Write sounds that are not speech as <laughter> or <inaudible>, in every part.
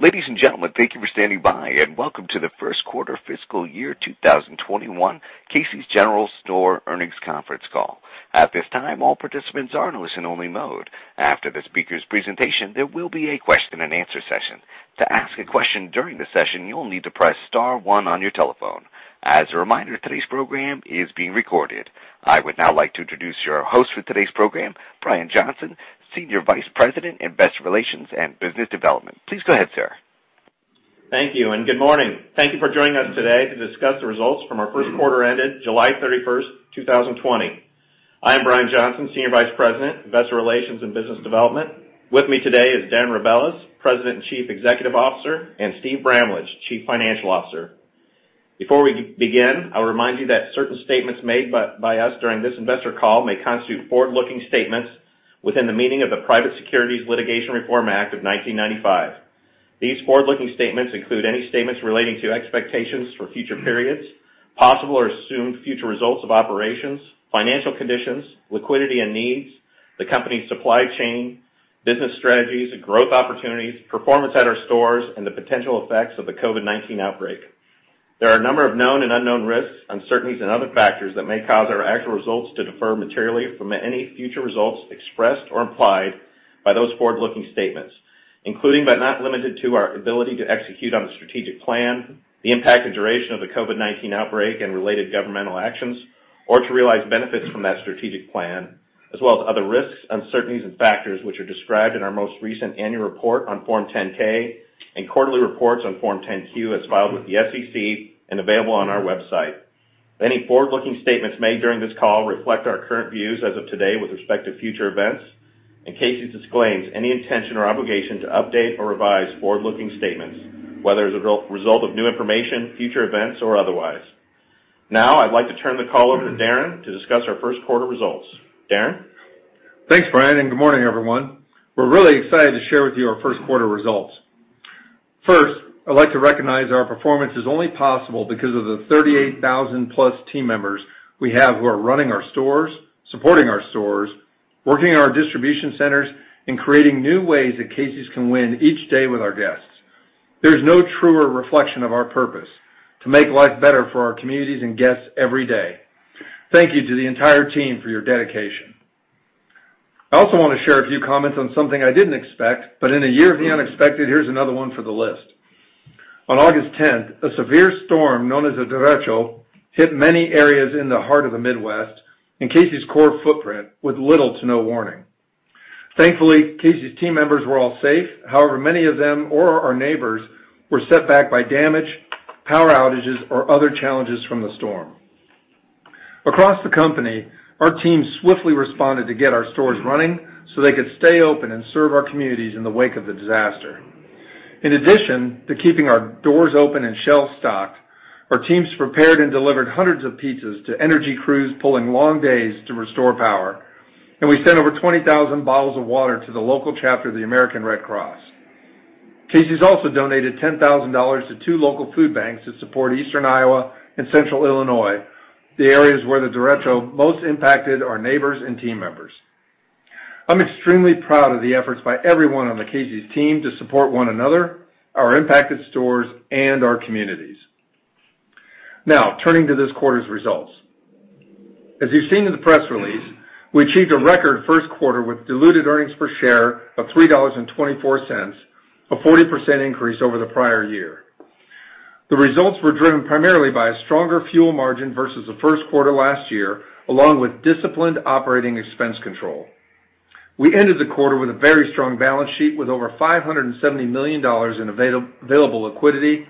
Ladies and gentlemen, thank you for standing by, and welcome to Q1 fiscal year 2021 Casey's General Stores Earnings Conference Call. At this time, all participants are in listen-only mode. After the speaker's presentation, there will be a question-and-answer session. To ask a question during the session, you'll need to press star one on your telephone. As a reminder, today's program is being recorded. I would now like to introduce your host for today's program, Brian Johnson, Senior Vice President, Investor Relations and Business Development. Please go ahead, sir. Thank you, and good morning. Thank you for joining us today to discuss the results from ourQ1 ended July 31, 2020. I am Brian Johnson, Senior Vice President, Investor Relations and Business Development. With me today is Darren Rebelez, President and Chief Executive Officer, and Steve Bramlage, Chief Financial Officer. Before we begin, I'll remind you that certain statements made by us during this investor call may constitute forward-looking statements within the meaning of the Private Securities Litigation Reform Act of 1995. These forward-looking statements include any statements relating to expectations for future periods, possible or assumed future results of operations, financial conditions, liquidity and needs, the company's supply chain, business strategies, growth opportunities, performance at our stores, and the potential effects of the COVID-19 outbreak. There are a number of known and unknown risks, uncertainties, and other factors that may cause our actual results to differ materially from any future results expressed or implied by those forward-looking statements, including but not limited to our ability to execute on the strategic plan, the impact and duration of the COVID-19 outbreak and related governmental actions, or to realize benefits from that strategic plan, as well as other risks, uncertainties, and factors which are described in our most recent annual report on Form 10-K and quarterly reports on Form 10-Q as filed with the SEC and available on our website. Any forward-looking statements made during this call reflect our current views as of today with respect to future events, and Casey's disclaims any intention or obligation to update or revise forward-looking statements, whether as a result of new information, future events, or otherwise. Now, I'd like to turn the call over to Darren to discuss our Q1 results. Darren. Thanks, Brian, and good morning, everyone. We're really excited to share with you our Q1 results. First, I'd like to recognize our performance is only possible because of the 38,000-plus team members we have who are running our stores, supporting our stores, working in our distribution centers, and creating new ways that Casey's can win each day with our guests. There's no truer reflection of our purpose: to make life better for our communities and guests every day. Thank you to the entire team for your dedication. I also want to share a few comments on something I didn't expect, but in a year of the unexpected, here's another one for the list. On 10 August a severe storm known as a derecho hit many areas in the heart of the Midwest and Casey's core footprint with little to no warning. Thankfully, Casey's team members were all safe. However, many of them or our neighbors were set back by damage, power outages, or other challenges from the storm. Across the company, our teams swiftly responded to get our stores running so they could stay open and serve our communities in the wake of the disaster. In addition to keeping our doors open and shelves stocked, our teams prepared and delivered hundreds of pizzas to energy crews pulling long days to restore power, and we sent over 20,000 bottles of water to the local chapter of the American Red Cross. Casey's also donated $10,000 to two local food banks to support Eastern Iowa and Central Illinois, the areas where the derecho most impacted our neighbors and team members. I'm extremely proud of the efforts by everyone on the Casey's team to support one another, our impacted stores, and our communities. Now, turning to this quarter's results. As you've seen in the press release, we achieved a record Q1 with diluted earnings per share of $3.24, a 40% increase over the prior year. The results were driven primarily by a stronger fuel margin versus Q1 last year, along with disciplined operating expense control. We ended the quarter with a very strong balance sheet with over $570 million in available liquidity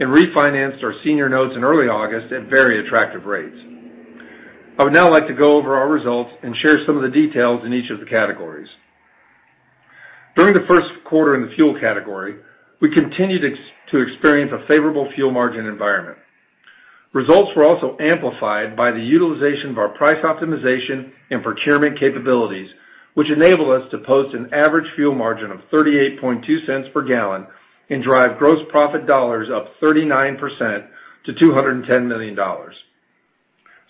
and refinanced our senior notes in early August at very attractive rates. I would now like to go over our results and share some of the details in each of the categories. During Q1 in the fuel category, we continued to experience a favorable fuel margin environment. Results were also amplified by the utilization of our price optimization and procurement capabilities, which enabled us to post an average fuel margin of $0.382 per gallon and drive gross profit dollars up 39% to $210 million.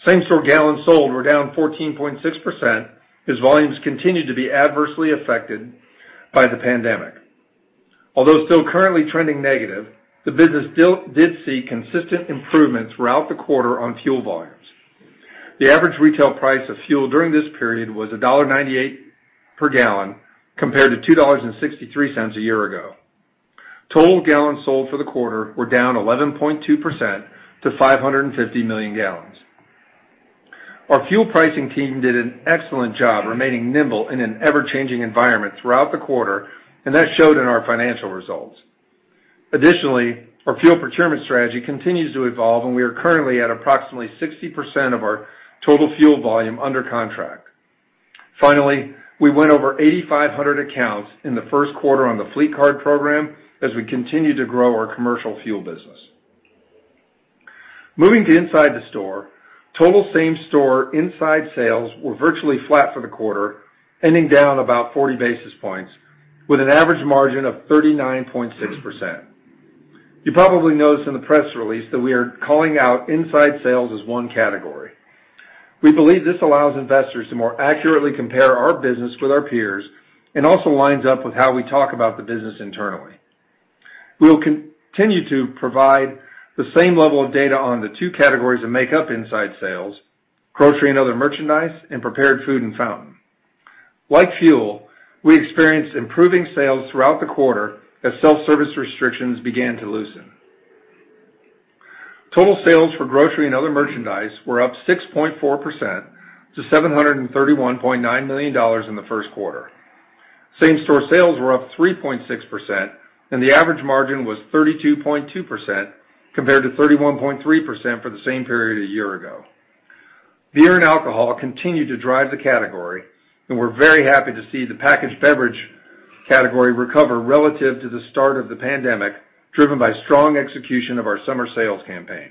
Same-store gallons sold were down 14.6% as volumes continued to be adversely affected by the pandemic. Although still currently trending negative, the business did see consistent improvements throughout the quarter on fuel volumes. The average retail price of fuel during this period was $1.98 per gallon compared to 2.63 a year ago. Total gallons sold for the quarter were down 11.2% to 550 million gallons. Our fuel pricing team did an excellent job remaining nimble in an ever-changing environment throughout the quarter, and that showed in our financial results. Additionally, our fuel procurement strategy continues to evolve, and we are currently at approximately 60% of our total fuel volume under contract. Finally, we went over 8,500 accounts in Q1 on the Fleet Card program as we continue to grow our commercial fuel business. Moving to inside the store, total same-store inside sales were virtually flat for the quarter, ending down about 40 basis points with an average margin of 39.6%. You probably noticed in the press release that we are calling out inside sales as one category. We believe this allows investors to more accurately compare our business with our peers and also lines up with how we talk about the business internally. We will continue to provide the same level of data on the two categories that make up inside sales: grocery and other merchandise and prepared food and fountain. Like fuel, we experienced improving sales throughout the quarter as self-service restrictions began to loosen. Total sales for grocery and other merchandise were up 6.4% to $731.9 million in Q1. Same-store sales were up 3.6%, and the average margin was 32.2% compared to 31.3% for the same period a year ago. Beer and alcohol continued to drive the category, and we're very happy to see the packaged beverage category recover relative to the start of the pandemic, driven by strong execution of our summer sales campaign.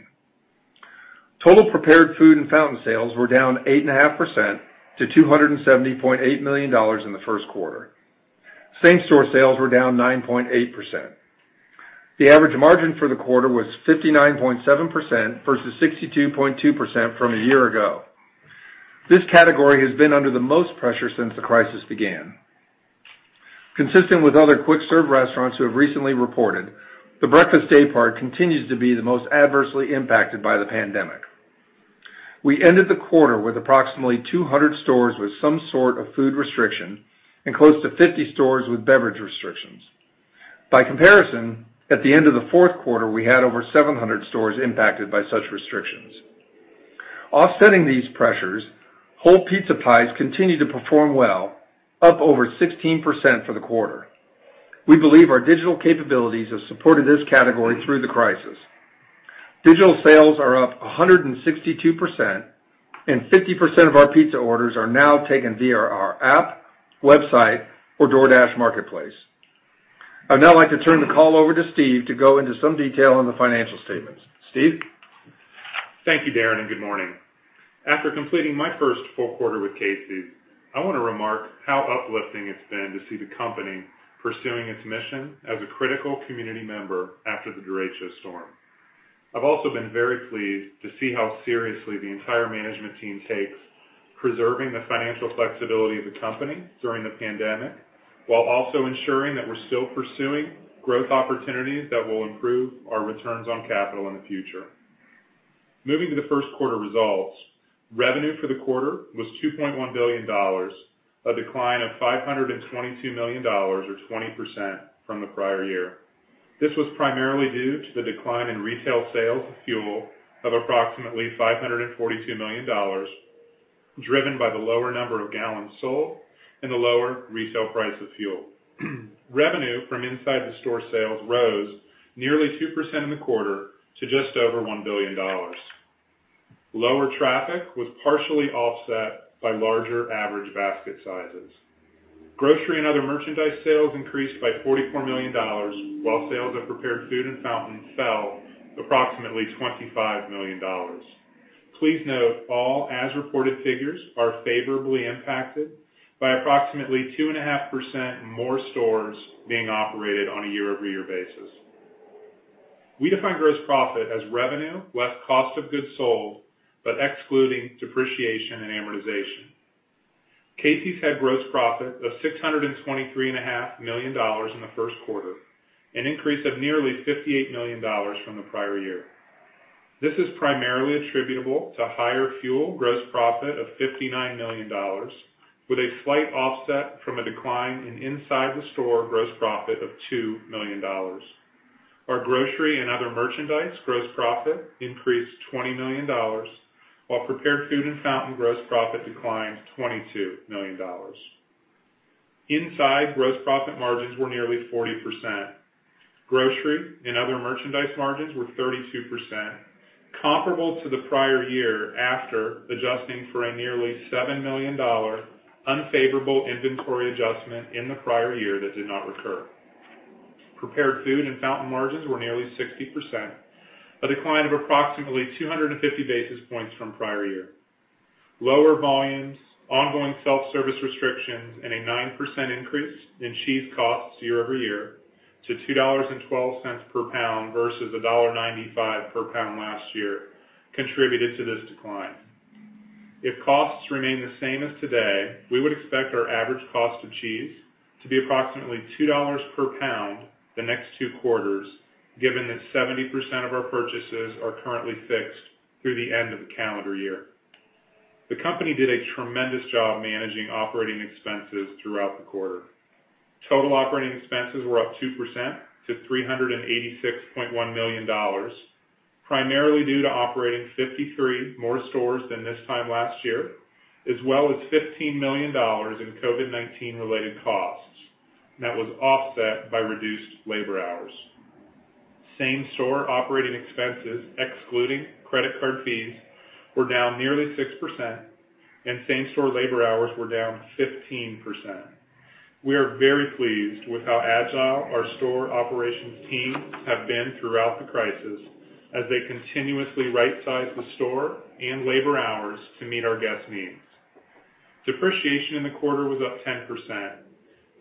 Total prepared food and fountain sales were down 8.5% to $270.8 million in Q1. Same-store sales were down 9.8%. The average margin for the quarter was 59.7% versus 62.2% from a year ago. This category has been under the most pressure since the crisis began. Consistent with other quick-serve restaurants who have recently reported, the breakfast daypart continues to be the most adversely impacted by the pandemic. We ended the quarter with approximately 200 stores with some sort of food restriction and close to 50 stores with beverage restrictions. By comparison, at the end of Q4, we had over 700 stores impacted by such restrictions. Offsetting these pressures, whole pizza pies continued to perform well, up over 16% for the quarter. We believe our digital capabilities have supported this category through the crisis. Digital sales are up 162%, and 50% of our pizza orders are now taken via our app, website, or DoorDash Marketplace. I'd now like to turn the call over to Steve to go into some detail on the financial statements. Steve? Thank you, Darren, and good morning. After completing my first full quarter with Casey's, I want to remark how uplifting it's been to see the company pursuing its mission as a critical community member after the derecho storm. I've also been very pleased to see how seriously the entire management team takes preserving the financial flexibility of the company during the pandemic while also ensuring that we're still pursuing growth opportunities that will improve our returns on capital in the future. Moving to Q1 results, revenue for the quarter was $2.1 billion, a decline of $522 million, or 20% from the prior year. This was primarily due to the decline in retail sales of fuel of approximately $542 million, driven by the lower number of gallons sold and the lower resale price of fuel. Revenue from inside the store sales rose nearly 2% in the quarter to just over $1 billion. Lower traffic was partially offset by larger average basket sizes. Grocery and other merchandise sales increased by $44 million, while sales of prepared food and fountain fell approximately $25 million. Please note all as-reported figures are favorably impacted by approximately 2.5% more stores being operated on a year-over-year basis. We define gross profit as revenue less cost of goods sold, but excluding depreciation and amortization. Casey's had gross profit of $623.5 in Q1, an increase of nearly 58 million from the prior year. This is primarily attributable to higher fuel gross profit of $59 million, with a slight offset from a decline in inside the store gross profit of $2 million. Our grocery and other merchandise gross profit increased $20 million, while prepared food and fountain gross profit declined $22 million. Inside gross profit margins were nearly 40%. Grocery and other merchandise margins were 32%, comparable to the prior year after adjusting for a nearly $7 million unfavorable inventory adjustment in the prior year that did not recur. Prepared food and fountain margins were nearly 60%, a decline of approximately 250 basis points from prior year. Lower volumes, ongoing self-service restrictions, and a 9% increase in cheese costs year-over-year to $2.12 per pound versus $1.95 per pound last year contributed to this decline. If costs remain the same as today, we would expect our average cost of cheese to be approximately $2 per pound the next two quarters, given that 70% of our purchases are currently fixed through the end of the calendar year. The company did a tremendous job managing operating expenses throughout the quarter. Total operating expenses were up 2% to $386.1 million, primarily due to operating 53 more stores than this time last year, as well as $15 million in COVID-19-related costs that was offset by reduced labor hours. Same-store operating expenses, excluding credit card fees, were down nearly 6%, and same-store labor hours were down 15%. We are very pleased with how agile our store operations teams have been throughout the crisis as they continuously right-sized the store and labor hours to meet our guest needs. Depreciation in the quarter was up 10%.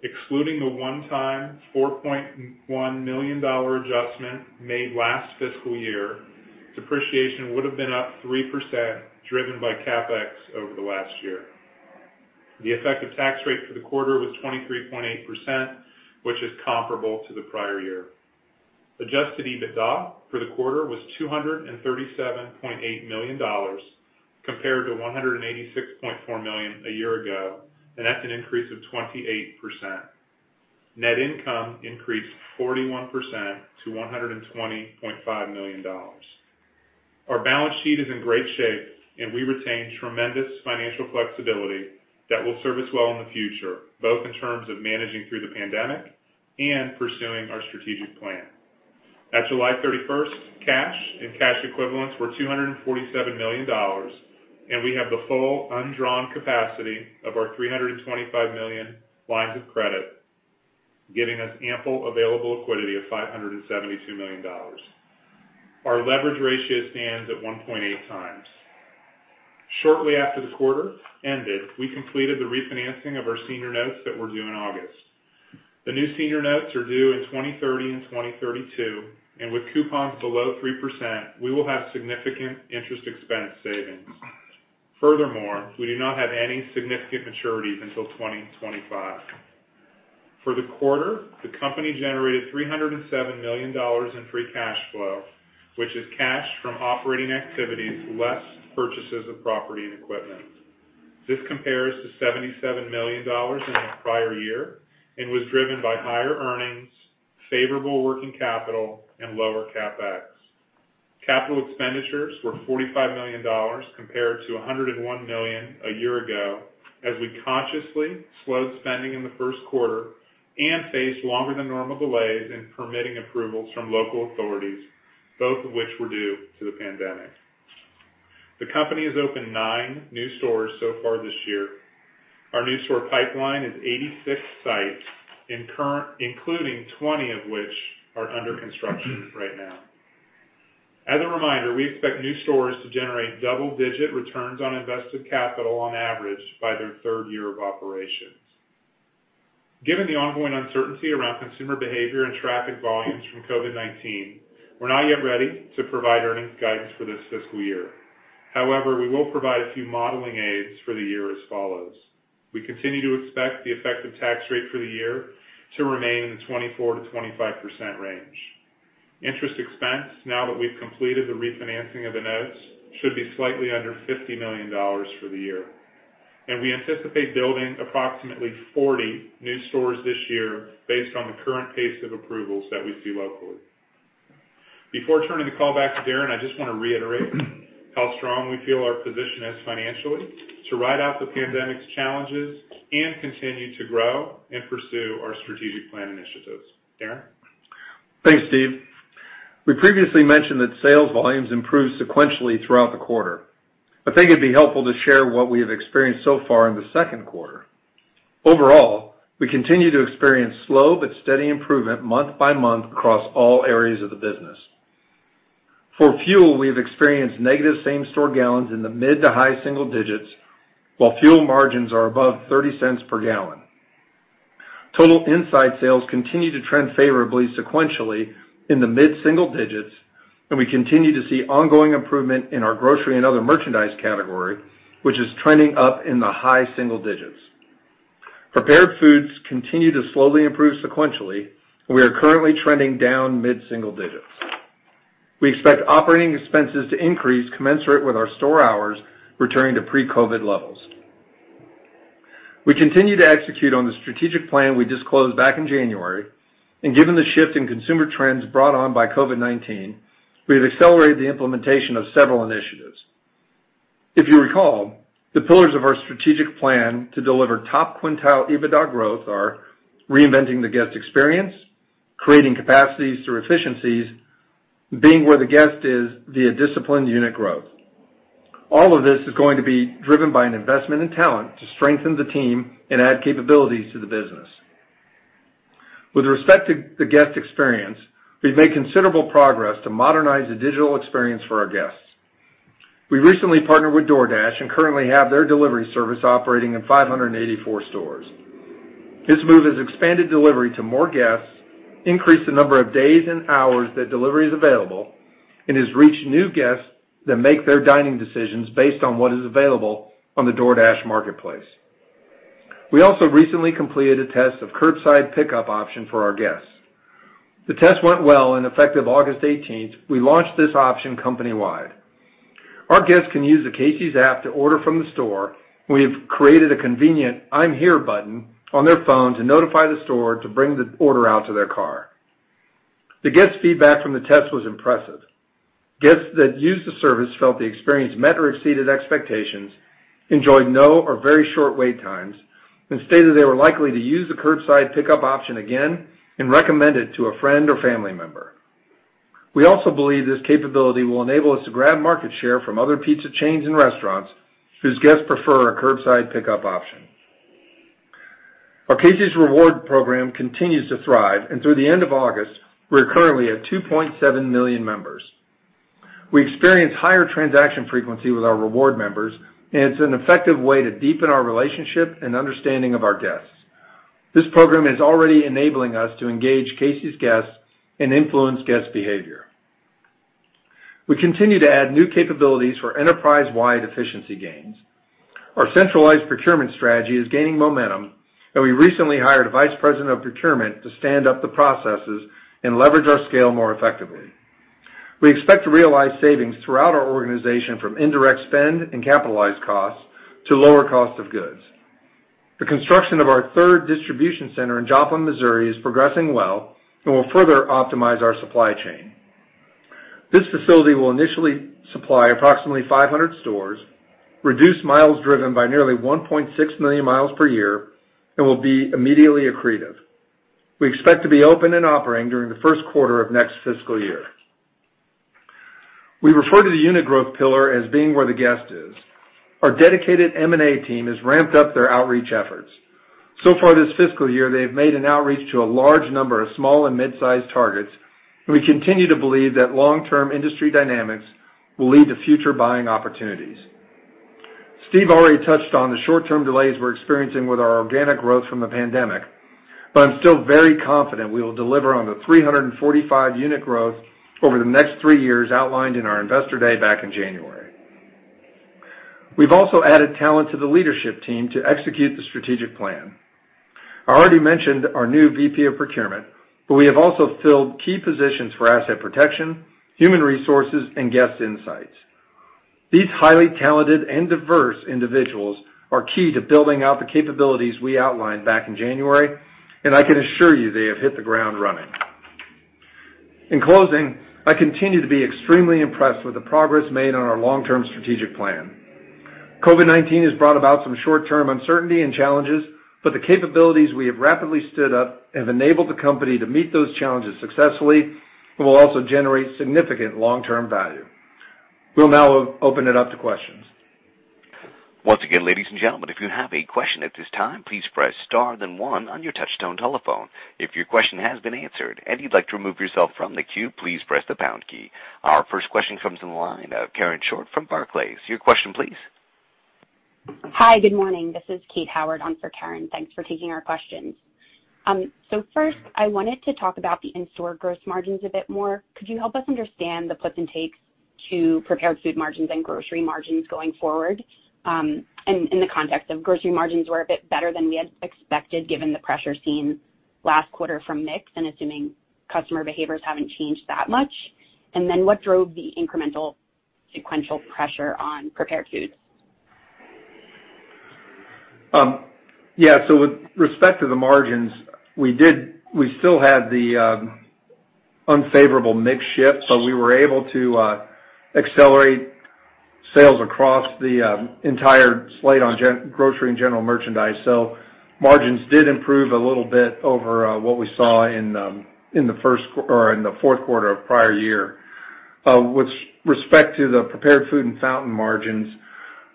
Excluding the one-time $4.1 million adjustment made last fiscal year, depreciation would have been up 3%, driven by CapEx over the last year. The effective tax rate for the quarter was 23.8%, which is comparable to the prior year. Adjusted EBITDA for the quarter was $237.8 compared to 186.4 million a year ago, and that's an increase of 28%. Net income increased 41% to $120.5 million. Our balance sheet is in great shape, and we retain tremendous financial flexibility that will serve us well in the future, both in terms of managing through the pandemic and pursuing our strategic plan. At July 31st, cash and cash equivalents were $247 million, and we have the full undrawn capacity of our $325 million lines of credit, giving us ample available liquidity of $572 million. Our leverage ratio stands at 1.8x. Shortly after the quarter ended, we completed the refinancing of our senior notes that were due in August. The new senior notes are due in 2030 and 2032, and with coupons below 3%, we will have significant interest expense savings. Furthermore, we do not have any significant maturities until 2025. For the quarter, the company generated $307 million in free cash flow, which is cash from operating activities less purchases of property and equipment. This compares to $77 million in the prior year and was driven by higher earnings, favorable working capital, and lower CapEx. Capital expenditures were $45 compared to 101 million a year ago as we consciously slowed spending in Q1 and faced longer-than-normal delays in permitting approvals from local authorities, both of which were due to the pandemic. The company has opened nine new stores so far this year. Our new store pipeline is 86 sites, including 20 of which are under construction right now. As a reminder, we expect new stores to generate double-digit returns on invested capital on average by their third year of operations. Given the ongoing uncertainty around consumer behavior and traffic volumes from COVID-19, we're not yet ready to provide earnings guidance for this fiscal year. However, we will provide a few modeling aids for the year as follows. We continue to expect the effective tax rate for the year to remain in the 24%-25% range. Interest expense, now that we've completed the refinancing of the notes, should be slightly under $50 million for the year. We anticipate building approximately 40 new stores this year based on the current pace of approvals that we see locally. Before turning the call back to Darren, I just want to reiterate how strong we feel our position is financially to ride out the pandemic's challenges and continue to grow and pursue our strategic plan initiatives. Darren? Thanks, Steve. We previously mentioned that sales volumes improved sequentially throughout the quarter. I think it'd be helpful to share what we have experienced so far in Q2. Overall, we continue to experience slow but steady improvement month by month across all areas of the business. For fuel, we have experienced negative same-store gallons in the mid to high single digits, while fuel margins are above $0.30 per gallon. Total inside sales continue to trend favorably sequentially in the mid single digits, and we continue to see ongoing improvement in our grocery and other merchandise category, which is trending up in the high single digits. Prepared foods continue to slowly improve sequentially, and we are currently trending down mid single digits. We expect operating expenses to increase commensurate with our store hours returning to pre-COVID levels. We continue to execute on the strategic plan we disclosed back in January, and given the shift in consumer trends brought on by COVID-19, we have accelerated the implementation of several initiatives. If you recall, the pillars of our strategic plan to deliver top quintile EBITDA growth are reinventing the guest experience, creating capacities through efficiencies, and being where the guest is via disciplined unit growth. All of this is going to be driven by an investment in talent to strengthen the team and add capabilities to the business. With respect to the guest experience, we've made considerable progress to modernize the digital experience for our guests. We recently partnered with DoorDash and currently have their delivery service operating in 584 stores. This move has expanded delivery to more guests, increased the number of days and hours that delivery is available, and has reached new guests that make their dining decisions based on what is available on the DoorDash Marketplace. We also recently completed a test of curbside pickup option for our guests. The test went well, and effective 18 August, we launched this option company-wide. Our guests can use the Casey's app to order from the store, and we have created a convenient "I'm here" button on their phone to notify the store to bring the order out to their car. The guest feedback from the test was impressive. Guests that used the service felt the experience met or exceeded expectations, enjoyed no or very short wait times, and stated they were likely to use the curbside pickup option again and recommend it to a friend or family member. We also believe this capability will enable us to grab market share from other pizza chains and restaurants whose guests prefer a curbside pickup option. Our Casey's Rewards program continues to thrive, and through the end of August, we're currently at 2.7 million members. We experience higher transaction frequency with our reward members, and it's an effective way to deepen our relationship and understanding of our guests. This program is already enabling us to engage Casey's guests and influence guest behavior. We continue to add new capabilities for enterprise-wide efficiency gains. Our centralized procurement strategy is gaining momentum, and we recently hired a Vice President of Procurement to stand up the processes and leverage our scale more effectively. We expect to realize savings throughout our organization from indirect spend and capitalized costs to lower cost of goods. The construction of our third distribution center in Joplin, Missouri, is progressing well and will further optimize our supply chain. This facility will initially supply approximately 500 stores, reduce miles driven by nearly 1.6 million miles per year, and will be immediately accretive. We expect to be open and operating during Q1 of next fiscal year. We refer to the unit growth pillar as being where the guest is. Our dedicated M&A team has ramped up their outreach efforts. So far this fiscal year, they have made an outreach to a large number of small and mid-sized targets, and we continue to believe that long-term industry dynamics will lead to future buying opportunities. Steve already touched on the short-term delays we're experiencing with our organic growth from the pandemic, but I'm still very confident we will deliver on the 345 unit growth over the next three years outlined in our investor day back in January. We've also added talent to the leadership team to execute the strategic plan. I already mentioned our new VP of procurement, but we have also filled key positions for asset protection, human resources, and guest insights. These highly talented and diverse individuals are key to building out the capabilities we outlined back in January, and I can assure you they have hit the ground running. In closing, I continue to be extremely impressed with the progress made on our long-term strategic plan. COVID-19 has brought about some short-term uncertainty and challenges, but the capabilities we have rapidly stood up have enabled the company to meet those challenges successfully and will also generate significant long-term value. We'll now open it up to questions. Once again, ladies and gentlemen, if you have a question at this time, please press star then one on your touchtone telephone. If your question has been answered and you'd like to remove yourself from the queue, please press the pound key. Our first question comes in the line of Karen Short from Barclays. Your question, please. Hi, good morning. This is Kate Howard on for Karen. Thanks for taking our questions. First, I wanted to talk about the in-store gross margins a bit more. Could you help us understand the flips and takes to prepared food margins and grocery margins going forward? In the context of grocery margins, we are a bit better than we had expected given the pressure seen last quarter from mix and assuming customer behaviors have not changed that much. What drove the incremental sequential pressure on prepared foods? Yeah. With respect to the margins, we still had the unfavorable mix shift, but we were able to accelerate sales across the entire slate on grocery and general merchandise. Margins did improve a little bit over what we saw in Q4 of prior year. With respect to the prepared food and fountain margins,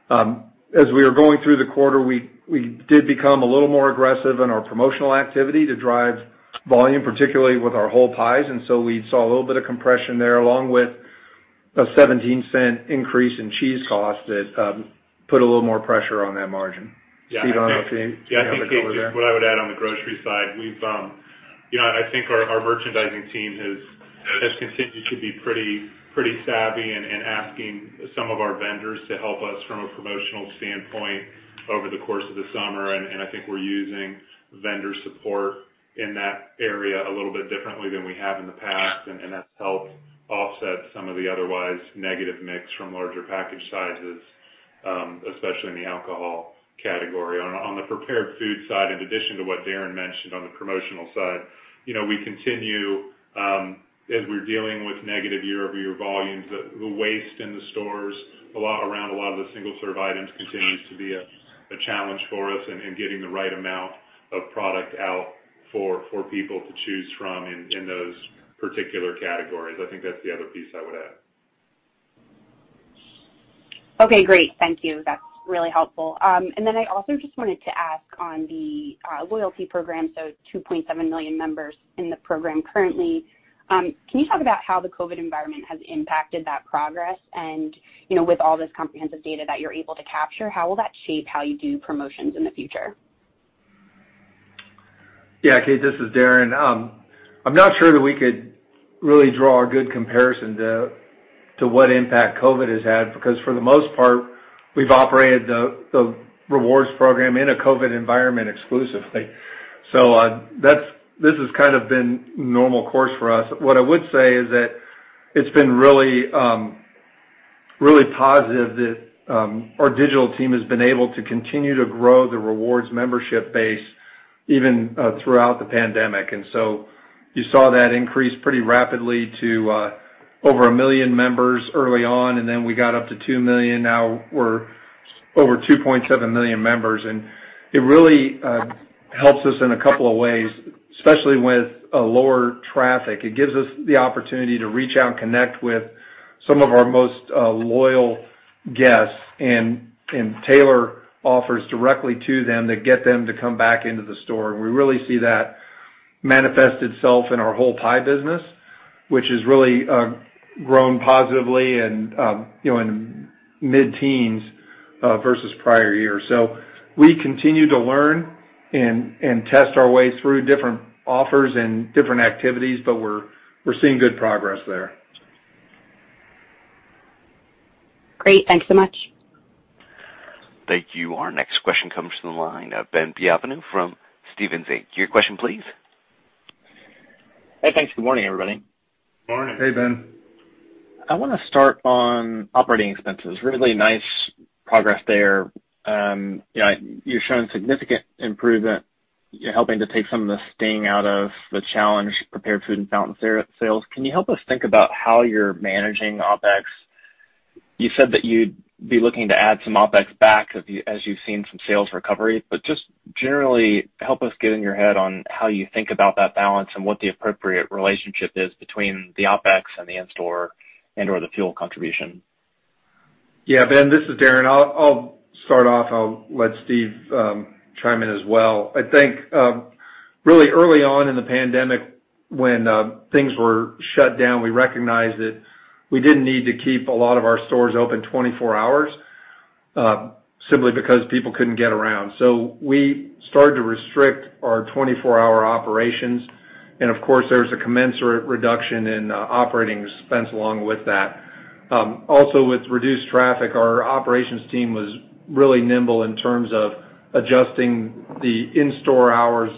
as we were going through the quarter, we did become a little more aggressive in our promotional activity to drive volume, particularly with our whole pies. We saw a little bit of compression there along with a $0.17 increase in cheese costs that put a little more pressure on that margin. Steve, <crosstalk> I do not know if you have a go over there. Yeah. I think what I would add on the grocery side, I think our merchandising team has continued to be pretty savvy and asking some of our vendors to help us from a promotional standpoint over the course of the summer. I think we're using vendor support in that area a little bit differently than we have in the past, and that's helped offset some of the otherwise negative mix from larger package sizes, especially in the alcohol category. On the prepared food side, in addition to what Darren mentioned on the promotional side, we continue, as we're dealing with negative year-over-year volumes, the waste in the stores around a lot of the single-serve items continues to be a challenge for us in getting the right amount of product out for people to choose from in those particular categories. I think that's the other piece I would add. Okay. Great. Thank you. That's really helpful. I also just wanted to ask on the loyalty program. So 2.7 million members in the program currently. Can you talk about how the COVID environment has impacted that progress? With all this comprehensive data that you're able to capture, how will that shape how you do promotions in the future? Yeah. Kate, this is Darren. I'm not sure that we could really draw a good comparison to what impact COVID has had because for the most part, we've operated the rewards program in a COVID environment exclusively. This has kind of been normal course for us. What I would say is that it's been really positive that our digital team has been able to continue to grow the rewards membership base even throughout the pandemic. You saw that increase pretty rapidly to over a million members early on, and then we got up to 2 million. Now we're over 2.7 million members. It really helps us in a couple of ways, especially with lower traffic. It gives us the opportunity to reach out and connect with some of our most loyal guests and tailor offers directly to them to get them to come back into the store. We really see that manifest itself in our whole pie business, which has really grown positively and in mid-teens versus prior year. We continue to learn and test our way through different offers and different activities, but we're seeing good progress there. Great. Thanks so much. Thank you. Our next question comes from the line of Ben Bienvenu from Stephens Inc. Your question, please. Hey, thanks. Good morning, everybody. Good morning. Hey, Ben. I want to start on operating expenses. Really nice progress there. You're showing significant improvement, helping to take some of the sting out of the challenge prepared food and fountain sales. Can you help us think about how you're managing OpEx? You said that you'd be looking to add some OpEx back as you've seen some sales recovery, but just generally, help us get in your head on how you think about that balance and what the appropriate relationship is between the OpEx and the in-store and/or the fuel contribution. Yeah. Ben, this is Darren. I'll start off. I'll let Steve chime in as well. I think really early on in the pandemic, when things were shut down, we recognized that we didn't need to keep a lot of our stores open 24 hours simply because people couldn't get around. We started to restrict our 24-hour operations. Of course, there was a commensurate reduction in operating expense along with that. Also, with reduced traffic, our operations team was really nimble in terms of adjusting the in-store hours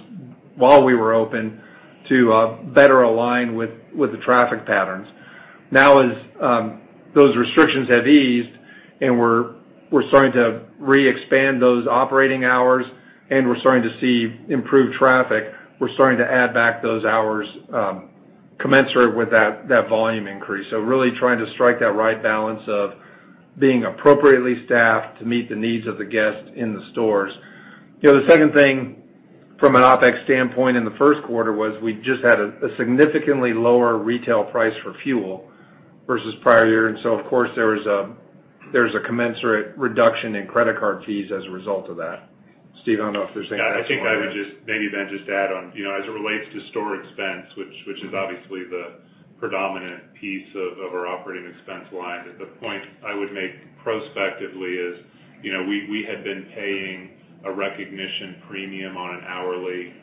while we were open to better align with the traffic patterns. Now, as those restrictions have eased and we're starting to re-expand those operating hours and we're starting to see improved traffic, we're starting to add back those hours commensurate with that volume increase. Really trying to strike that right balance of being appropriately staffed to meet the needs of the guests in the stores. The second thing from an OpEx standpoint in Q1 was we just had a significantly lower retail price for fuel versus prior year. Of course, there was a commensurate reduction in credit card fees as a result of that. Steve, I don't know if Cross talk] there's anything else you want to add. I think I would just maybe, Ben, just add on as it relates to store expense, which is obviously the predominant piece of our operating expense line. The point I would make prospectively is we had been paying a recognition premium on an hourly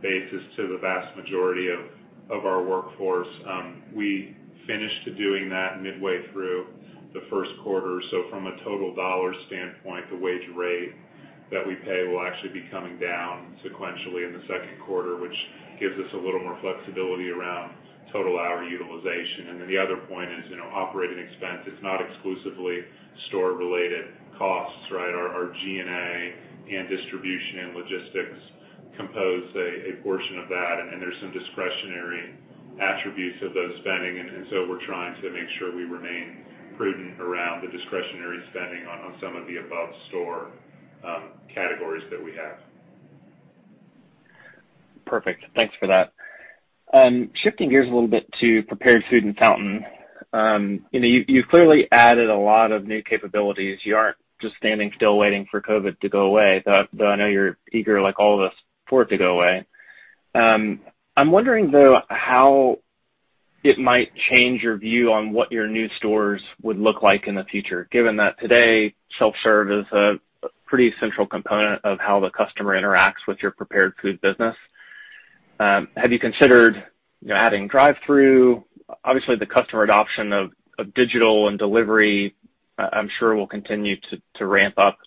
basis to the vast majority of our workforce. We finished doing that midway through Q1. From a total dollar standpoint, the wage rate that we pay will actually be coming down sequentially in Q2, which gives us a little more flexibility around total hour utilization. The other point is operating expense. It's not exclusively store-related costs, right? Our G&A and distribution and logistics compose a portion of that, and there's some discretionary attributes of those spending. We're trying to make sure we remain prudent around the discretionary spending on some of the above store categories that we have. Perfect. Thanks for that. Shifting gears a little bit to prepared food and fountain, you've clearly added a lot of new capabilities. You aren't just standing still waiting for COVID to go away, though I know you're eager like all of us for it to go away. I'm wondering, though, how it might change your view on what your new stores would look like in the future, given that today, self-serve is a pretty central component of how the customer interacts with your prepared food business. Have you considered adding drive-through? Obviously, the customer adoption of digital and delivery, I'm sure, will continue to ramp up.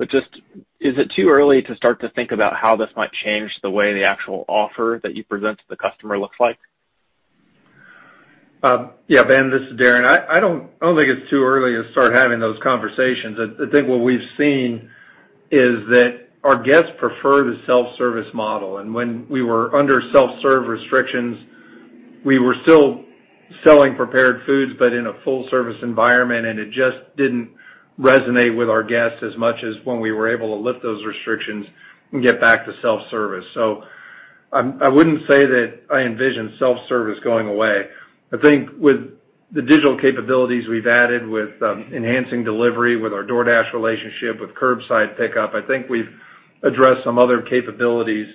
Is it too early to start to think about how this might change the way the actual offer that you present to the customer looks like? Yeah. Ben, this is Darren. I don't think it's too early to start having those conversations. I think what we've seen is that our guests prefer the self-service model. When we were under self-serve restrictions, we were still selling prepared foods, but in a full-service environment, and it just didn't resonate with our guests as much as when we were able to lift those restrictions and get back to self-service. I wouldn't say that I envision self-service going away. I think with the digital capabilities we've added with enhancing delivery, with our DoorDash relationship, with curbside pickup, I think we've addressed some other capabilities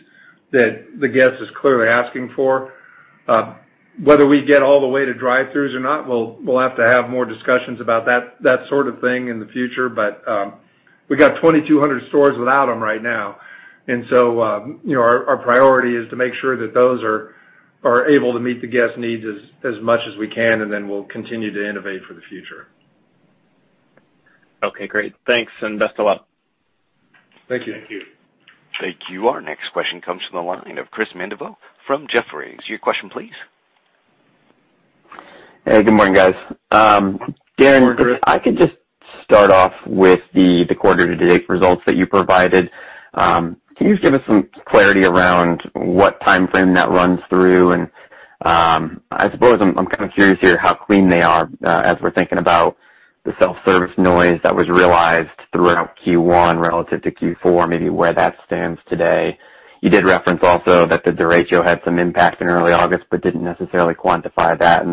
that the guest is clearly asking for. Whether we get all the way to drive-throughs or not, we'll have to have more discussions about that sort of thing in the future. We got 2,200 stores without them right now. Our priority is to make sure that those are able to meet the guest needs as much as we can, and then we'll continue to innovate for the future. Okay. Great. Thanks and best of luck. Thank you. Thank you. Thank you. Our next question comes from the line of Chris Mandeville from Jefferies. Your question, please. Hey, good morning, guys. Darren, I could just start off with the quarter-to-date results that you provided. Can you just give us some clarity around what timeframe that runs through? I suppose I'm kind of curious here how clean they are as we're thinking about the self-service noise that was realized throughout Q1 relative to Q4, maybe where that stands today. You did reference also that the derecho had some impact in early August but did not necessarily quantify that.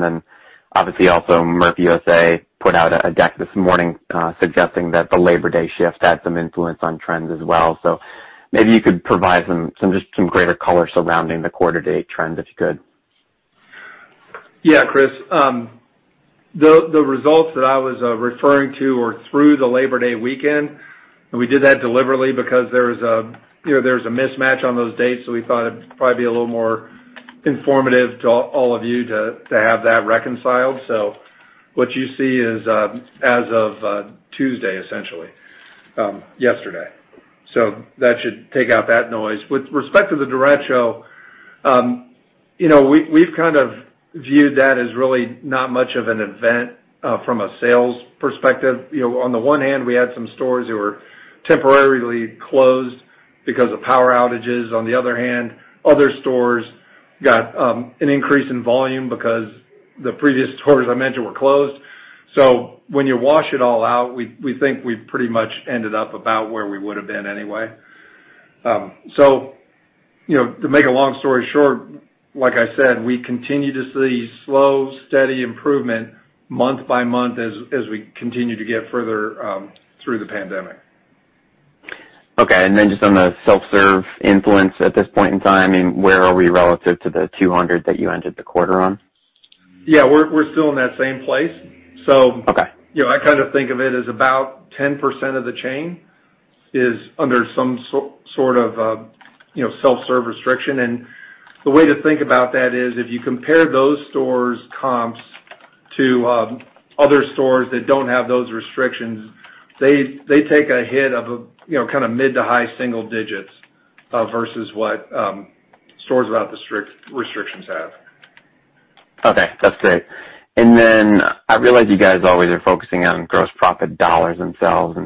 Obviously, also Murphy USA put out a deck this morning suggesting that the Labor Day shift had some influence on trends as well. Maybe you could provide just some greater color surrounding the quarter-to-date trend if you could. Yeah, Chris. The results that I was referring to were through the Labor Day weekend. We did that deliberately because there was a mismatch on those dates, so we thought it'd probably be a little more informative to all of you to have that reconciled. What you see is as of Tuesday, essentially, yesterday. That should take out that noise. With respect to the derecho, we've kind of viewed that as really not much of an event from a sales perspective. On the one hand, we had some stores that were temporarily closed because of power outages. On the other hand, other stores got an increase in volume because the previous stores I mentioned were closed. When you wash it all out, we think we pretty much ended up about where we would have been anyway. To make a long story short, like I said, we continue to see slow, steady improvement month by month as we continue to get further through the pandemic. Okay. Just on the self-serve influence at this point in time, I mean, where are we relative to the 200 that you ended the quarter on? Yeah. We're still in that same place. I kind of think of it as about 10% of the chain is under some sort of self-serve restriction. The way to think about that is if you compare those stores' comps to other stores that don't have those restrictions, they take a hit of kind of mid to high single digits versus what stores without the strict restrictions have. Okay. That's great. I realize you guys always are focusing on gross profit dollars themselves.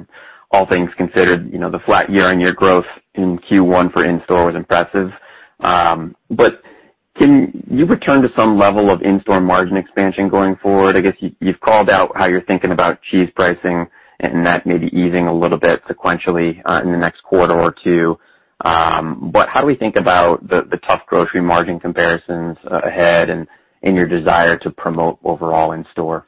All things considered, the flat year-on-year growth in Q1 for in-store was impressive. Can you return to some level of in-store margin expansion going forward? I guess you've called out how you're thinking about cheese pricing and that maybe easing a little bit sequentially in the next quarter or two. How do we think about the tough grocery margin comparisons ahead and your desire to promote overall in-store?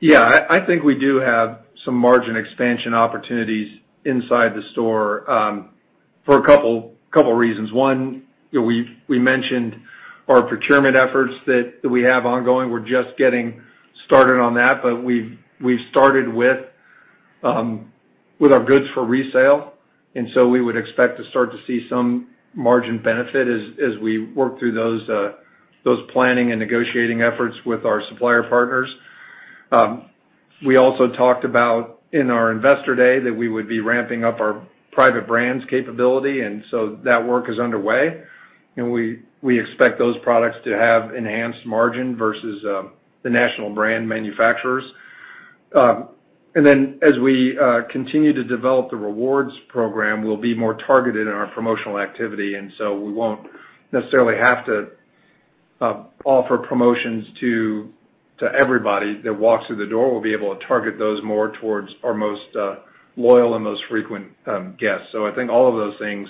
Yeah. I think we do have some margin expansion opportunities inside the store for a couple of reasons. One, we mentioned our procurement efforts that we have ongoing. We're just getting started on that, but we've started with our goods for resale. We would expect to start to see some margin benefit as we work through those planning and negotiating efforts with our supplier partners. We also talked about in our Investor Day that we would be ramping up our private brands capability. That work is underway. We expect those products to have enhanced margin versus the national brand manufacturers. As we continue to develop the rewards program, we'll be more targeted in our promotional activity. We won't necessarily have to offer promotions to everybody that walks through the door. We'll be able to target those more towards our most loyal and most frequent guests. I think all of those things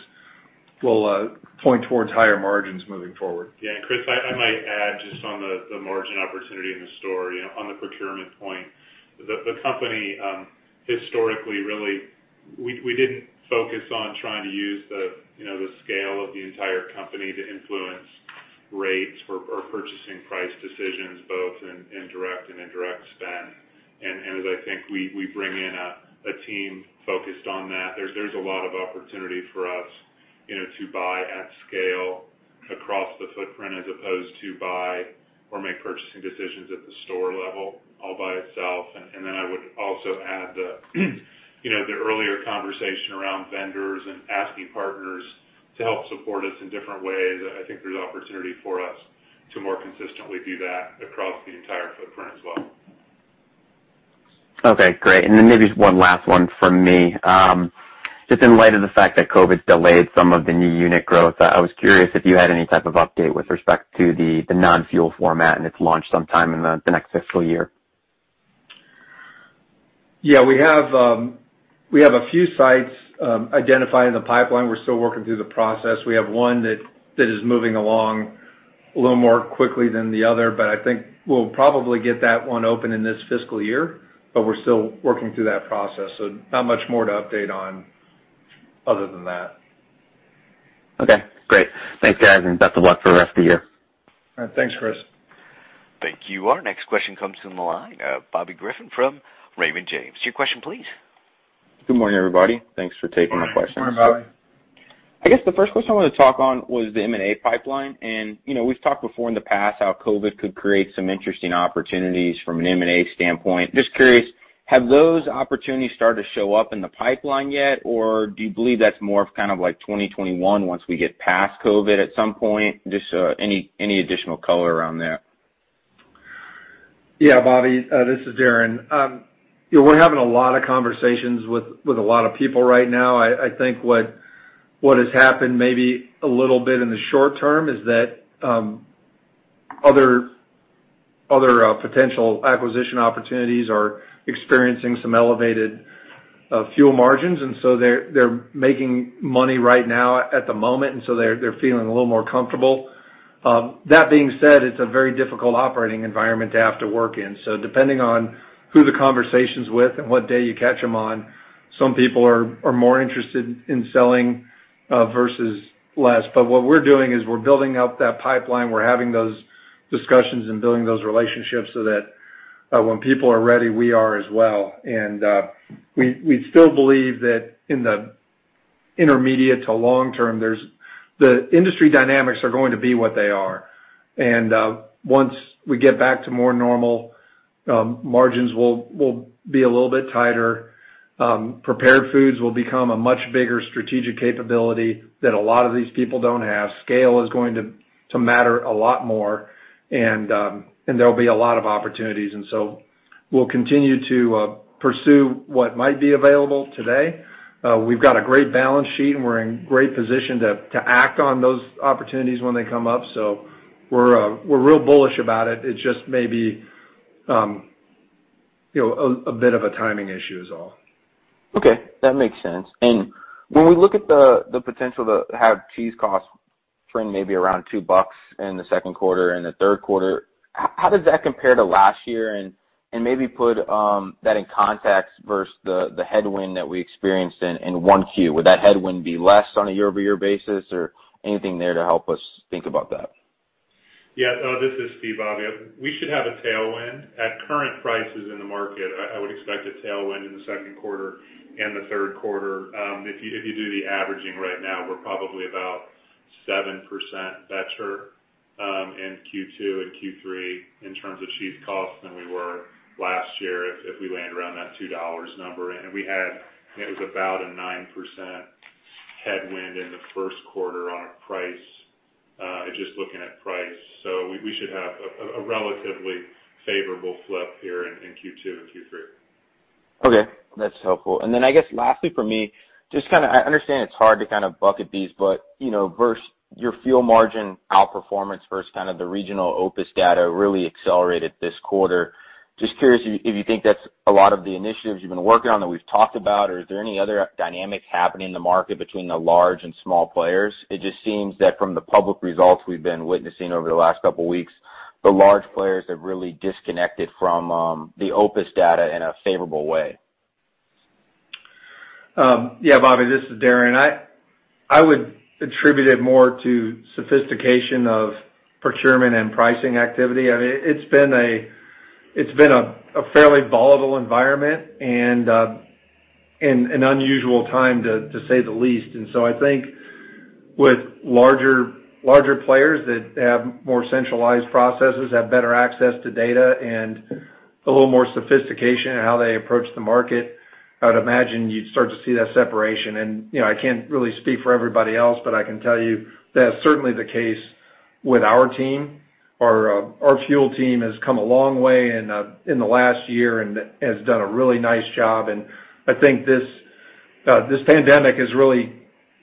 will point towards higher margins moving forward. Yeah. Chris, I might add just on the margin opportunity in the store, on the procurement point. The company historically really did not focus on trying to use the scale of the entire company to influence rates or purchasing price decisions, both in direct and indirect spend. As I think we bring in a team focused on that, there is a lot of opportunity for us to buy at scale across the footprint as opposed to buy or make purchasing decisions at the store level all by itself. I would also add the earlier conversation around vendors and asking partners to help support us in different ways. I think there is opportunity for us to more consistently do that across the entire footprint as well. Okay. Great. Maybe one last one from me. Just in light of the fact that COVID delayed some of the new unit growth, I was curious if you had any type of update with respect to the non-fuel format and its launch sometime in the next fiscal year. Yeah. We have a few sites identified in the pipeline. We're still working through the process. We have one that is moving along a little more quickly than the other. I think we'll probably get that one open in this fiscal year. We're still working through that process. Not much more to update on other than that. Okay. Great. Thanks, guys. Best of luck for the rest of the year. All right. Thanks, Chris. Thank you. Our next question comes from the line, Bobby Griffin from Raymond James. Your question, please. Good morning, everybody. Thanks for taking my questions. Morning, Bobby. I guess the first question I wanted to talk on was the M&A pipeline. We've talked before in the past how COVID could create some interesting opportunities from an M&A standpoint. Just curious, have those opportunities started to show up in the pipeline yet, or do you believe that's more of kind of like 2021 once we get past COVID at some point? Just any additional color around that? Yeah, Bobby, this is Darren. We're having a lot of conversations with a lot of people right now. I think what has happened maybe a little bit in the short term is that other potential acquisition opportunities are experiencing some elevated fuel margins. They're making money right now at the moment, and they're feeling a little more comfortable. That being said, it's a very difficult operating environment to have to work in. Depending on who the conversation's with and what day you catch them on, some people are more interested in selling versus less. What we're doing is we're building up that pipeline. We're having those discussions and building those relationships so that when people are ready, we are as well. We still believe that in the intermediate to long term, the industry dynamics are going to be what they are. Once we get back to more normal margins, we'll be a little bit tighter. Prepared foods will become a much bigger strategic capability that a lot of these people don't have. Scale is going to matter a lot more, and there'll be a lot of opportunities. We will continue to pursue what might be available today. We've got a great balance sheet, and we're in great position to act on those opportunities when they come up. We're real bullish about it. It's just maybe a bit of a timing issue is all. Okay. That makes sense. When we look at the potential to have cheese costs trend maybe around $2 in Q2 and Q3, how does that compare to last year? Maybe put that in context versus the headwind that we experienced in Q1. Would that headwind be less on a year-over-year basis or anything there to help us think about that? Yeah. This is Steve. Bobby, we should have a tailwind. At current prices in the market, I would expect a tailwind in Q2 and Q3. If you do the averaging right now, we're probably about 7% better in Q2 and Q3 in terms of cheese costs than we were last year if we land around that $2 number. And we had, it was about a 9% headwind in Q1 on a price, just looking at price. We should have a relatively favorable flip here in Q2 and Q3. Okay. That's helpful. Lastly for me, just kind of I understand it's hard to kind of bucket these, but your fuel margin outperformance versus kind of the regional OPIS data really accelerated this quarter. Just curious if you think that's a lot of the initiatives you've been working on that we've talked about, or is there any other dynamics happening in the market between the large and small players? It just seems that from the public results we've been witnessing over the last couple of weeks, the large players have really disconnected from the OPIS data in a favorable way. Yeah, Bobby, this is Darren. I would attribute it more to sophistication of procurement and pricing activity. I mean, it's been a fairly volatile environment and an unusual time, to say the least. I think with larger players that have more centralized processes, have better access to data, and a little more sophistication in how they approach the market, I would imagine you'd start to see that separation. I can't really speak for everybody else, but I can tell you that's certainly the case with our team. Our fuel team has come a long way in the last year and has done a really nice job. I think this pandemic has really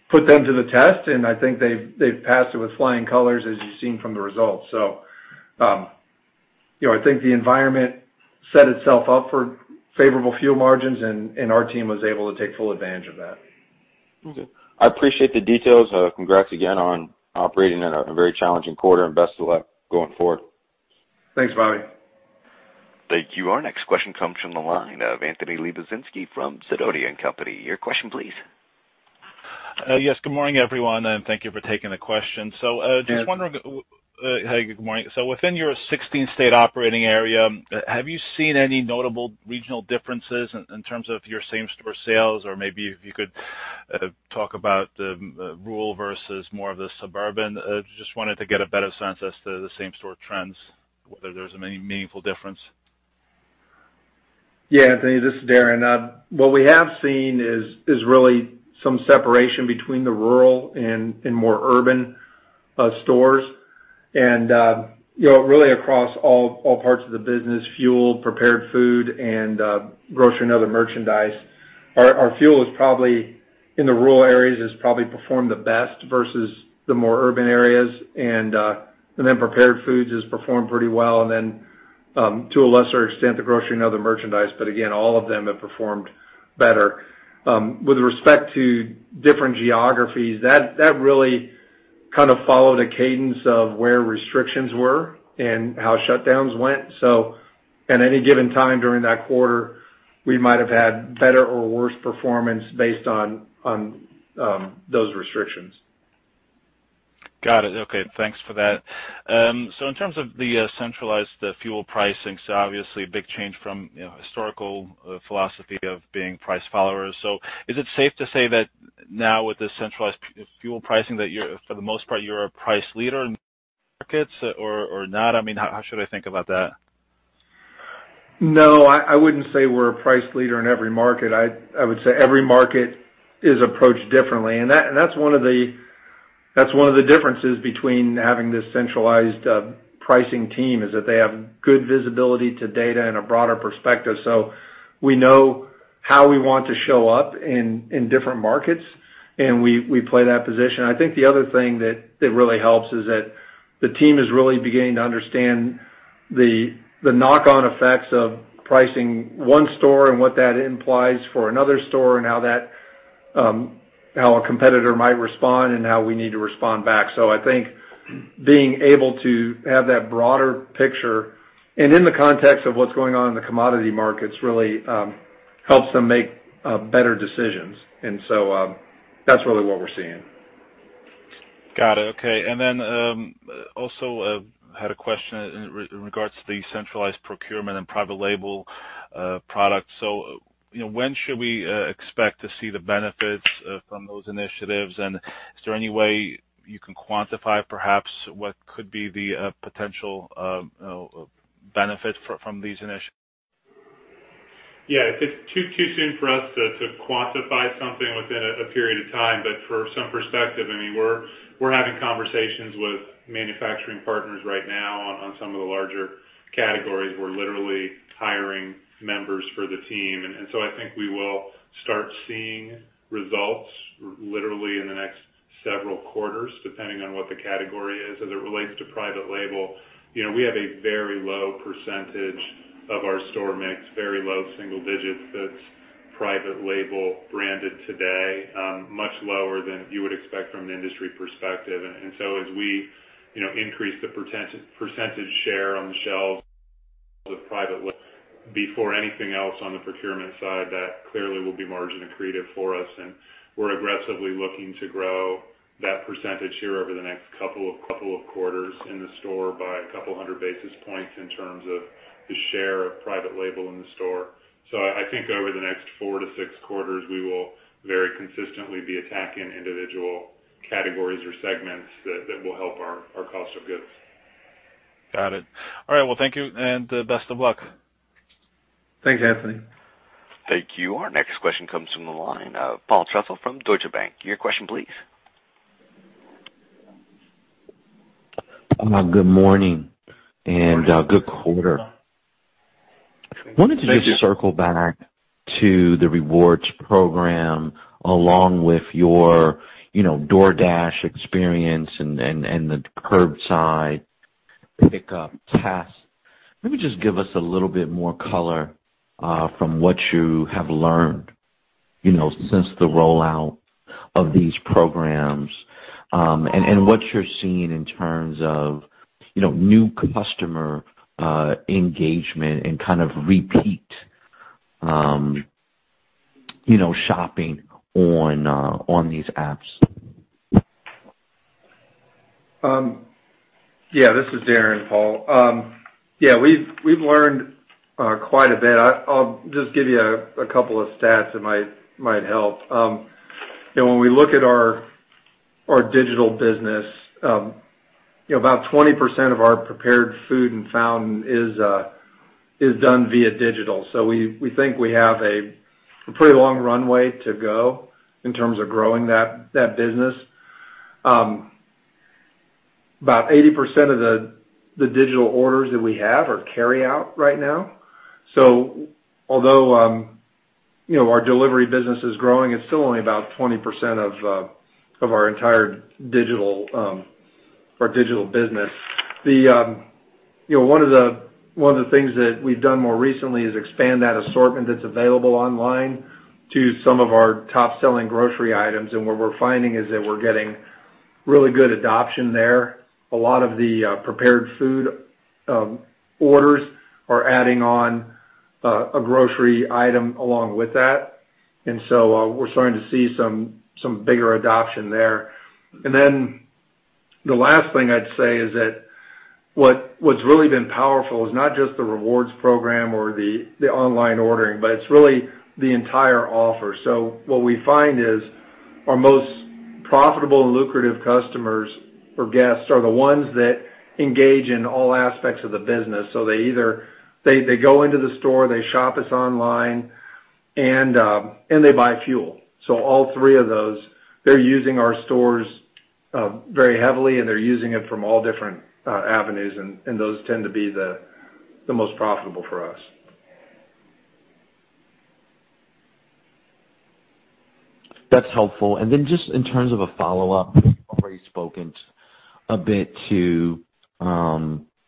put them to the test, and I think they've passed it with flying colors as you've seen from the results. I think the environment set itself up for favorable fuel margins, and our team was able to take full advantage of that. Okay. I appreciate the details. Congrats again on operating in a very challenging quarter. Best of luck going forward. Thanks, Bobby. Thank you. Our next question comes from the line of Anthony Lebiedzinski from Sidoti & Company. Your question, please. Yes. Good morning, everyone. Thank you for taking the question. Just wondering. Hello. Hey, good morning. Within your 16-state operating area, have you seen any notable regional differences in terms of your same-store sales? If you could talk about the rural versus more of the suburban, I just wanted to get a better sense as to the same-store trends, whether there's a meaningful difference. Yeah, Anthony, this is Darren. What we have seen is really some separation between the rural and more urban stores. Really across all parts of the business, fuel, prepared food, and grocery and other merchandise, our fuel is probably in the rural areas has probably performed the best versus the more urban areas. Prepared foods has performed pretty well. To a lesser extent, the grocery and other merchandise. Again, all of them have performed better. With respect to different geographies, that really kind of followed a cadence of where restrictions were and how shutdowns went. At any given time during that quarter, we might have had better or worse performance based on those restrictions. Got it. Okay. Thanks for that. In terms of the centralized fuel pricing, obviously a big change from historical philosophy of being price followers. Is it safe to say that now with this centralized fuel pricing that for the most part you're a price leader in markets or not? I mean, how should I think about that? No, I wouldn't say we're a price leader in every market. I would say every market is approached differently. That's one of the differences between having this centralized pricing team is that they have good visibility to data and a broader perspective. We know how we want to show up in different markets, and we play that position. I think the other thing that really helps is that the team is really beginning to understand the knock-on effects of pricing one store and what that implies for another store and how our competitor might respond and how we need to respond back. I think being able to have that broader picture and in the context of what's going on in the commodity markets really helps them make better decisions. That's really what we're seeing. Got it. Okay. I also had a question in regards to the centralized procurement and private label products. When should we expect to see the benefits from those initiatives? Is there any way you can quantify perhaps what could be the potential benefit from these initiatives? Yeah. It's too soon for us to quantify something within a period of time. For some perspective, I mean, we're having conversations with manufacturing partners right now on some of the larger categories. We're literally hiring members for the team. I think we will start seeing results literally in the next several quarters depending on what the category is. As it relates to private label, we have a very low percentage of our store mix, very low single digits that's private label branded today, much lower than you would expect from an industry perspective. As we increase the percentage share on the shelves of private, before anything else on the procurement side, that clearly will be margin accretive for us. We're aggressively looking to grow that percentage here over the next couple of quarters in the store by a couple hundred basis points in terms of the share of private label in the store. I think over the next four to six quarters, we will very consistently be attacking individual categories or segments that will help our cost of goods. Got it. All right. Thank you and best of luck. Thanks, Anthony. Thank you. Our next question comes from the line of Paul Trussell from Deutsche Bank. Your question, please. Good morning and good quarter. I wanted to just circle back to the rewards program along with your DoorDash experience and the curbside pickup test. Let me just give us a little bit more color from what you have learned since the rollout of these programs and what you're seeing in terms of new customer engagement and kind of repeat shopping on these apps. Yeah, this is Darren Rebelez. Yeah, we've learned quite a bit. I'll just give you a couple of stats that might help. When we look at our digital business, about 20% of our prepared food and fountain is done via digital. We think we have a pretty long runway to go in terms of growing that business. About 80% of the digital orders that we have are carryout right now. Although our delivery business is growing, it's still only about 20% of our entire digital business. One of the things that we've done more recently is expand that assortment that's available online to some of our top-selling grocery items. What we're finding is that we're getting really good adoption there. A lot of the prepared food orders are adding on a grocery item along with that. We are starting to see some bigger adoption there. The last thing I'd say is that what's really been powerful is not just the rewards program or the online ordering, but it's really the entire offer. What we find is our most profitable and lucrative customers or guests are the ones that engage in all aspects of the business. They go into the store, they shop us online, and they buy fuel. All three of those, they're using our stores very heavily, and they're using it from all different avenues. Those tend to be the most profitable for us. That's helpful. Just in terms of a follow-up, we've already spoken a bit to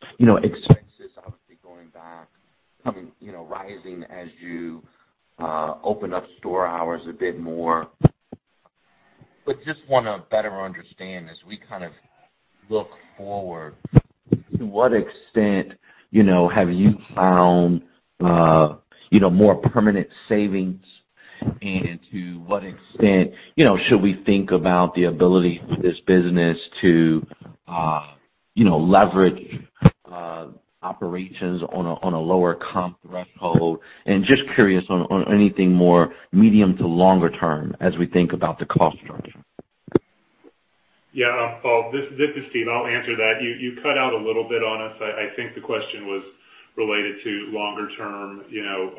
expenses obviously going back, coming rising as you open up store hours a bit more. I just want to better understand as we kind of look forward, to what extent have you found more permanent savings? To what extent should we think about the ability for this business to leverage operations on a lower comp threshold? I am just curious on anything more medium to longer term as we think about the cost structure. Yeah. Paul, this is Steve. I'll answer that. You cut out a little bit on us. I think the question was related to longer term,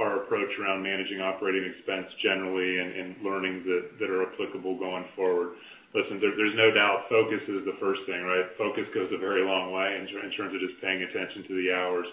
our approach around managing operating expense generally and learnings that are applicable going forward. Listen, there's no doubt focus is the first thing, right? Focus goes a very long way in terms of just paying attention to the hours.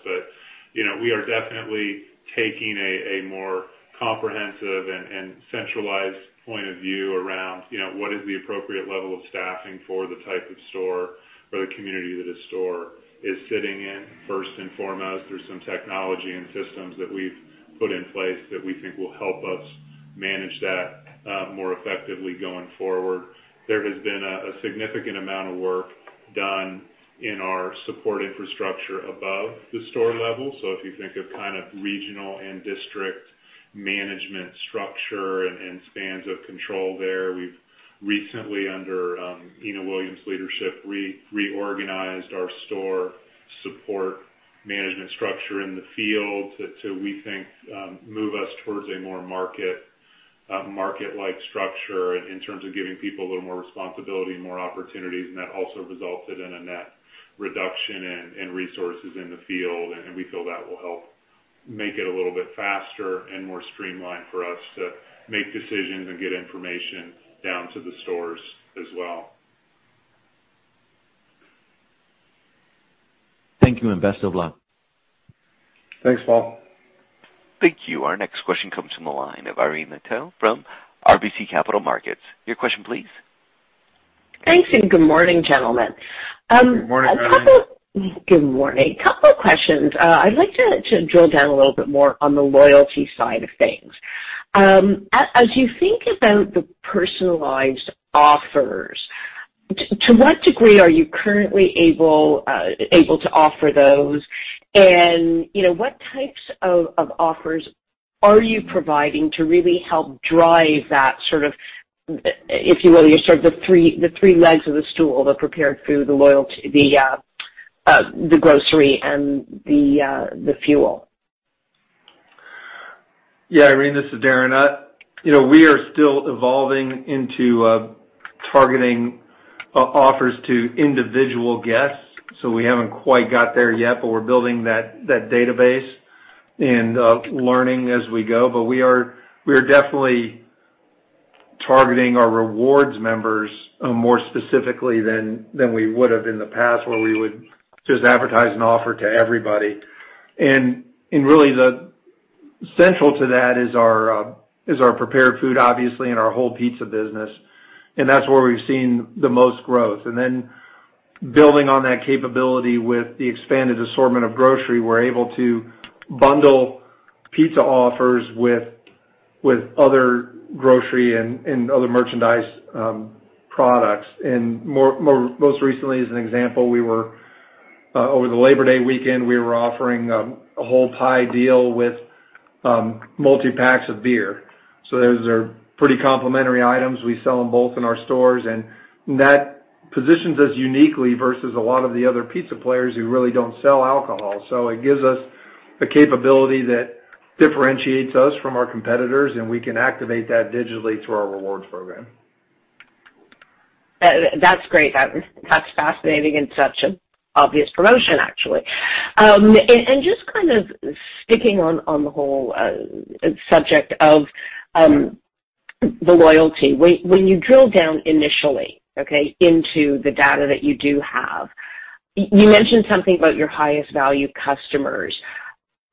We are definitely taking a more comprehensive and centralized point of view around what is the appropriate level of staffing for the type of store or the community that a store is sitting in. First and foremost, there's some technology and systems that we've put in place that we think will help us manage that more effectively going forward. There has been a significant amount of work done in our support infrastructure above the store level. If you think of kind of regional and district management structure and spans of control there, we've recently, under Ena Williams' leadership, reorganized our store support management structure in the field to, we think, move us towards a more market-like structure in terms of giving people a little more responsibility and more opportunities. That also resulted in a net reduction in resources in the field. We feel that will help make it a little bit faster and more streamlined for us to make decisions and get information down to the stores as well. Thank you and best of luck. Thanks, Paul. Thank you. Our next question comes from the line of Irene Nattel from RBC Capital Markets. Your question, please. Thanks and good morning, gentlemen. Good morning, Irene Nattel. Good morning. A couple of questions. I'd like to drill down a little bit more on the loyalty side of things. As you think about the personalized offers, to what degree are you currently able to offer those? What types of offers are you providing to really help drive that sort of, if you will, your sort of the three legs of the stool, the prepared food, the grocery, and the fuel? Yeah, Irene, this is Darren. We are still evolving into targeting offers to individual guests. We have not quite got there yet, but we are building that database and learning as we go. We are definitely targeting our rewards members more specifically than we would have in the past where we would just advertise an offer to everybody. Really central to that is our prepared food, obviously, and our whole pizza business. That is where we have seen the most growth. Building on that capability with the expanded assortment of grocery, we are able to bundle pizza offers with other grocery and other merchandise products. Most recently, as an example, over the Labor Day weekend, we were offering a whole pie deal with multi-packs of beer. Those are pretty complimentary items. We sell them both in our stores. That positions us uniquely versus a lot of the other pizza players who really do not sell alcohol. It gives us a capability that differentiates us from our competitors, and we can activate that digitally through our rewards program. That's great. That's fascinating and such an obvious promotion, actually. Just kind of sticking on the whole subject of the loyalty, when you drill down initially, okay, into the data that you do have, you mentioned something about your highest value customers.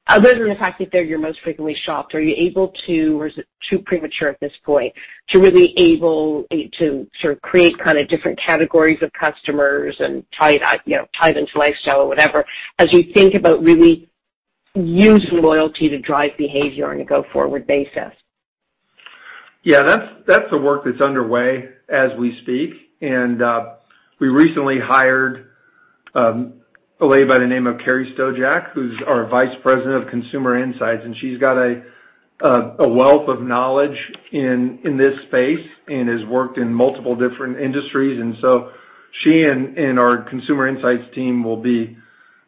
Other than the fact that they're your most frequently shopped, are you able to, or is it too premature at this point, to really be able to sort of create kind of different categories of customers and tie them to lifestyle or whatever as you think about really using loyalty to drive behavior on a go-forward basis? Yeah, that's the work that's underway as we speak. We recently hired a lady by the name of Carrie Stojak, who's our Vice President of Consumer Insights. She's got a wealth of knowledge in this space and has worked in multiple different industries. She and our consumer insights team will be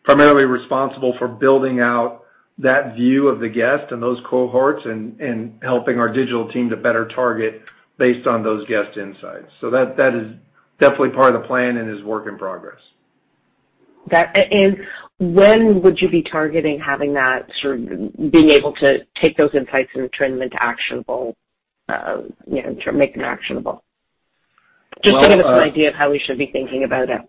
primarily responsible for building out that view of the guest and those cohorts and helping our digital team to better target based on those guest insights. That is definitely part of the plan and is work in progress. When would you be targeting having that sort of being able to take those insights and turn them into actionable, make them actionable? Just give us an idea of how we should be thinking about it.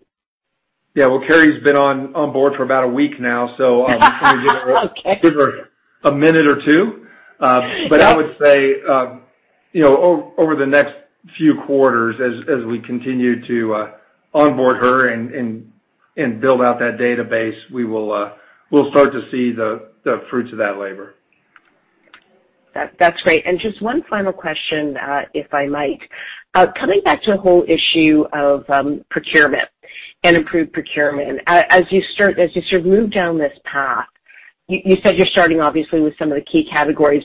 Yeah. Kerry's been on board for about a week now, so we're giving her a minute or two. I would say over the next few quarters, as we continue to onboard her and build out that database, we'll start to see the fruits of that labor. That's great. Just one final question, if I might. Coming back to the whole issue of procurement and improved procurement, as you sort of move down this path, you said you're starting obviously with some of the key categories.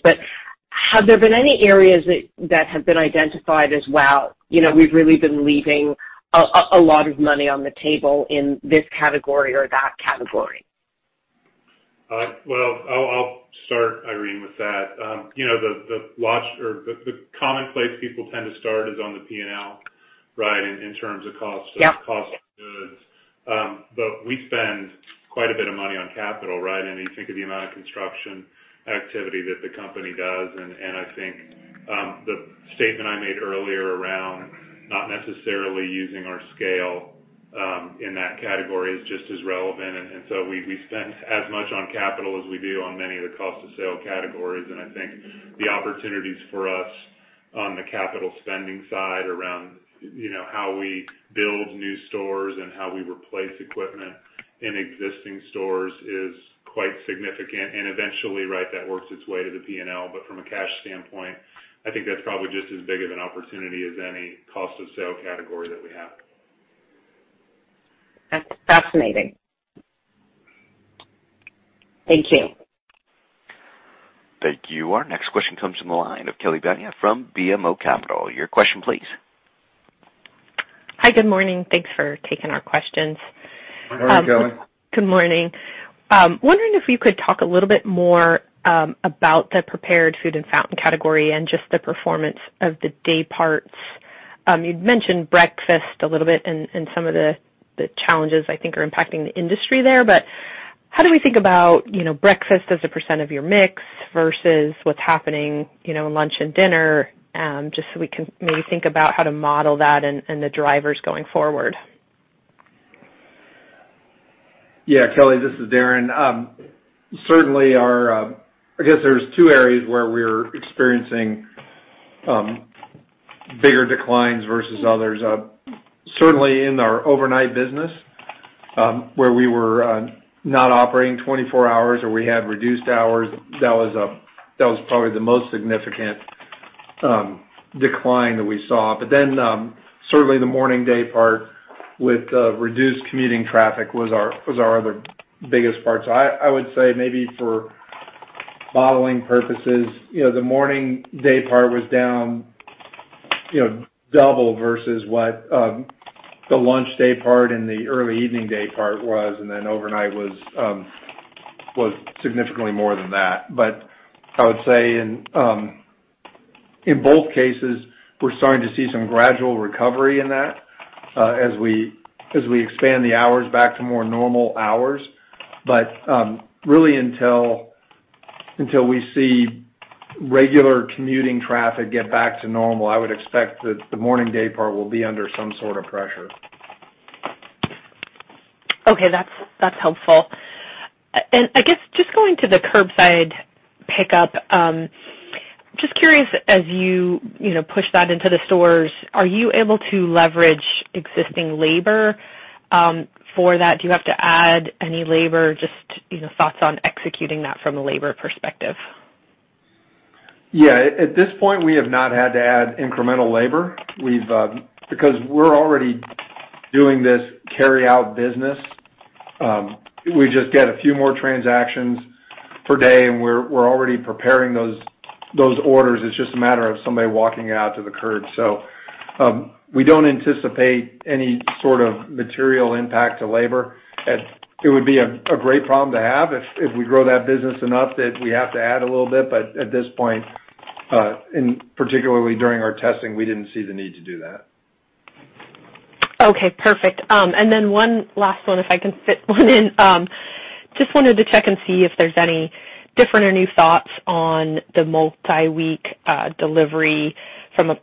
Have there been any areas that have been identified as, "Wow, we've really been leaving a lot of money on the table in this category or that category"? Irene, I'll start with that. The commonplace people tend to start is on the P&L, right, in terms of cost of goods. We spend quite a bit of money on capital, right? You think of the amount of construction activity that the company does. I think the statement I made earlier around not necessarily using our scale in that category is just as relevant. We spend as much on capital as we do on many of the cost of sale categories. I think the opportunities for us on the capital spending side around how we build new stores and how we replace equipment in existing stores is quite significant. Eventually, that works its way to the P&L. From a cash standpoint, I think that's probably just as big of an opportunity as any cost of sale category that we have. That's fascinating. Thank you. Thank you. Our next question comes from the line of Kelly Bania from BMO Capital Markets. Your question, please. Hi, good morning. Thanks for taking our questions. How are you doing? Good morning. Wondering if we could talk a little bit more about the prepared food and fountain category and just the performance of the day parts. You'd mentioned breakfast a little bit and some of the challenges I think are impacting the industry there. How do we think about breakfast as a percent of your mix versus what's happening in lunch and dinner just so we can maybe think about how to model that and the drivers going forward? Yeah, Kelly, this is Darren. Certainly, I guess there's two areas where we're experiencing bigger declines versus others. Certainly, in our overnight business, where we were not operating 24 hours or we had reduced hours, that was probably the most significant decline that we saw. The morning day part with reduced commuting traffic was our other biggest part. I would say maybe for modeling purposes, the morning day part was down double versus what the lunch day part and the early evening day part was. Overnight was significantly more than that. I would say in both cases, we're starting to see some gradual recovery in that as we expand the hours back to more normal hours. Really, until we see regular commuting traffic get back to normal, I would expect that the morning day part will be under some sort of pressure. Okay. That's helpful. I guess just going to the curbside pickup, just curious, as you push that into the stores, are you able to leverage existing labor for that? Do you have to add any labor? Just thoughts on executing that from a labor perspective. Yeah. At this point, we have not had to add incremental labor because we're already doing this carry-out business. We just get a few more transactions per day, and we're already preparing those orders. It's just a matter of somebody walking it out to the curb. We don't anticipate any sort of material impact to labor. It would be a great problem to have if we grow that business enough that we have to add a little bit. At this point, and particularly during our testing, we didn't see the need to do that. Okay. Perfect. Then one last one, if I can fit one in. Just wanted to check and see if there's any different or new thoughts on the multi-week delivery from a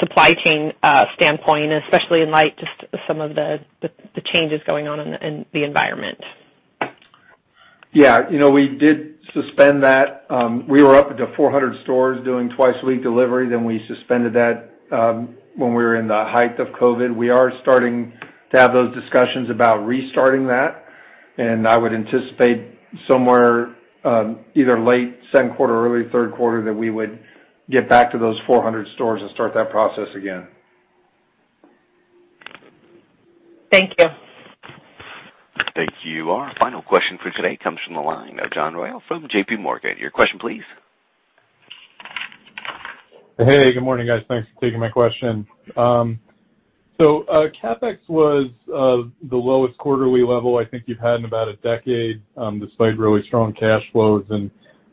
supply chain standpoint, especially in light of just some of the changes going on in the environment. Yeah. We did suspend that. We were up to 400 stores doing twice-week delivery. We suspended that when we were in the height of COVID. We are starting to have those discussions about restarting that. I would anticipate somewhere either late Q2 or early third quarter that we would get back to those 400 stores and start that process again. Thank you. Thank you. Our final question for today comes from the line of John Royall from J.P. Morgan. Your question, please. Hey, good morning, guys. Thanks for taking my question. CapEx was the lowest quarterly level I think you've had in about a decade despite really strong cash flows.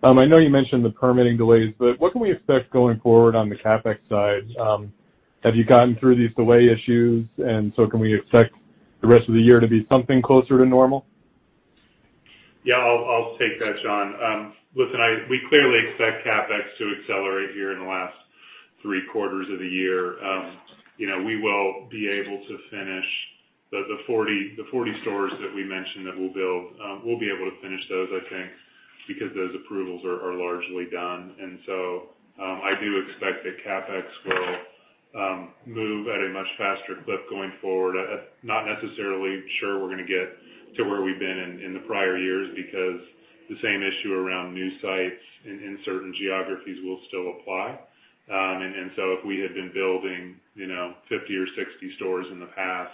I know you mentioned the permitting delays, but what can we expect going forward on the CapEx side? Have you gotten through these delay issues? Can we expect the rest of the year to be something closer to normal? Yeah, I'll take that, John. Listen, we clearly expect CapEx to accelerate here in the last three quarters of the year. We will be able to finish the 40 stores that we mentioned that we'll build. We'll be able to finish those, I think, because those approvals are largely done. I do expect that CapEx will move at a much faster clip going forward. Not necessarily sure we're going to get to where we've been in the prior years because the same issue around new sites in certain geographies will still apply. If we had been building 50 or 60 stores in the past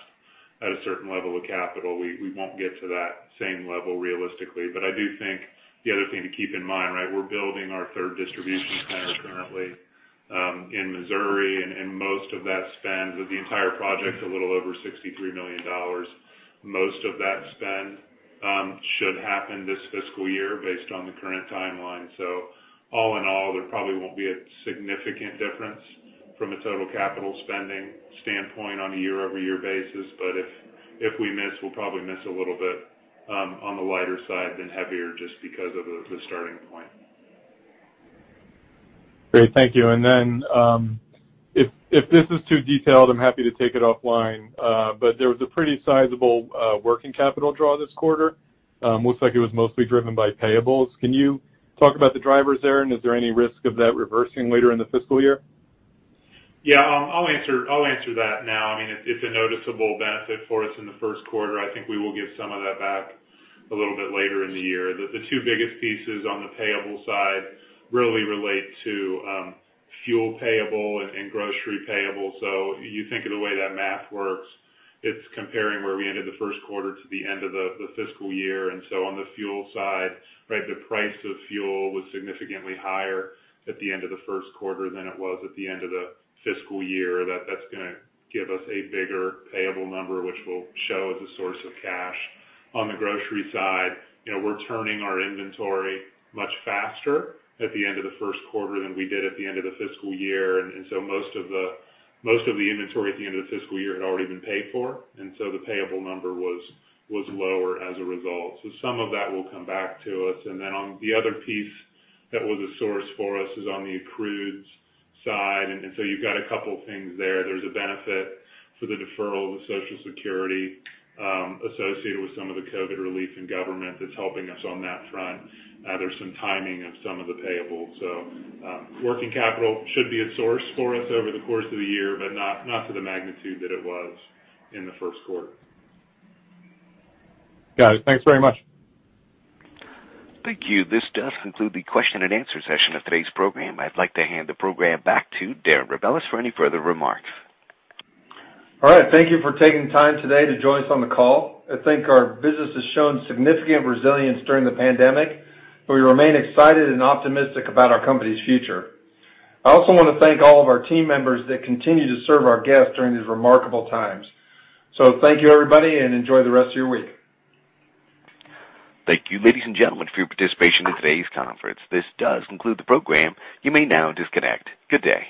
at a certain level of capital, we won't get to that same level realistically. I do think the other thing to keep in mind, right, we're building our third distribution center currently in Missouri. Most of that spend, the entire project's a little over $63 million. Most of that spend should happen this fiscal year based on the current timeline. All in all, there probably will not be a significant difference from a total capital spending standpoint on a year-over-year basis. If we miss, we'll probably miss a little bit on the lighter side than heavier just because of the starting point. Great. Thank you. If this is too detailed, I'm happy to take it offline. There was a pretty sizable working capital draw this quarter. Looks like it was mostly driven by payables. Can you talk about the drivers there? Is there any risk of that reversing later in the fiscal year? Yeah. I'll answer that now. I mean, it's a noticeable benefit for us in Q1. I think we will give some of that back a little bit later in the year. The two biggest pieces on the payable side really relate to fuel payable and grocery payable. You think of the way that math works. It's comparing where we ended Q1 to the end of the fiscal year. On the fuel side, right, the price of fuel was significantly higher at the end of Q1 than it was at the end of the fiscal year. That's going to give us a bigger payable number, which will show as a source of cash. On the grocery side, we're turning our inventory much faster at the end of Q1 than we did at the end of the fiscal year. Most of the inventory at the end of the fiscal year had already been paid for. The payable number was lower as a result. Some of that will come back to us. On the other piece that was a source for us is on the accrued side. You have a couple of things there. There is a benefit for the deferral of the Social Security associated with some of the COVID relief and government that is helping us on that front. There is some timing of some of the payables. Working capital should be a source for us over the course of the year, but not to the magnitude that it was in Q1. Got it. Thanks very much. Thank you. This does conclude the question and answer session of today's program. I'd like to hand the program back to Darren Rebelez for any further remarks. All right. Thank you for taking time today to join us on the call. I think our business has shown significant resilience during the pandemic, but we remain excited and optimistic about our company's future. I also want to thank all of our team members that continue to serve our guests during these remarkable times. Thank you, everybody, and enjoy the rest of your week. Thank you, ladies and gentlemen, for your participation in today's conference. This does conclude the program. You may now disconnect. Good day.